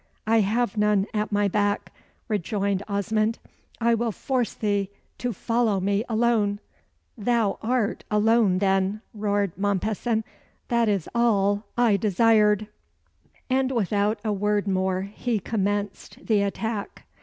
"I have none at my back," rejoined Osmond; "I will force thee to follow me alone!" "Thou art alone then!" roared Mompesson; "that is all I desired!" And, without a word more, he commenced the attack.